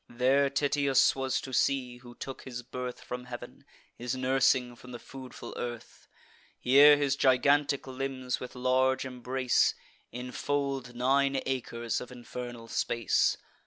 There Tityus was to see, who took his birth From heav'n, his nursing from the foodful earth. Here his gigantic limbs, with large embrace, Infold nine acres of infernal space.